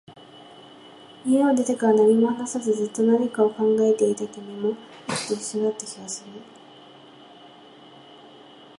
家を出てから、何も話さず、ずっと何かを考えていた君も、僕と一緒だった気がする